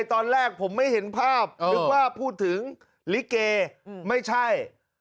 ตอนแรกผมไม่เห็นภาพนึกว่าพูดถึงลิเกไม่ใช่